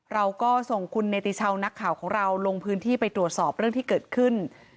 เราก็ส่งคุณเนติชาวนักข่าวของเราลงพื้นที่ไปตรวจสอบเรื่องที่เกิดขึ้น